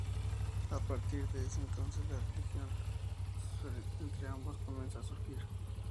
A partir de ese entonces, la relación entre ambos comienza a surgir.